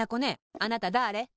あなただれ？